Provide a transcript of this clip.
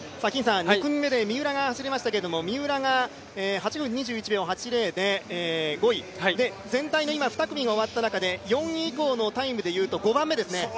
２組目で、三浦が走りましたけど三浦が８分２１秒８０で５位、全体２組が終わった中で４位以降のタイムでいうと５番目ですね。